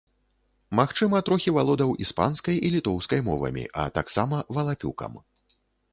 Магчыма, трохі валодаў іспанскай і літоўскай мовамі, а таксама валапюкам.